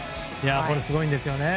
これすごいんですよね。